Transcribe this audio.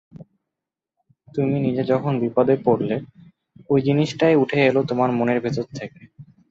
তুমি নিজে যখন বিপদে পড়লে, ঐ জিনিসটাই উঠে এল তোমার মনের ভেতর থেকে।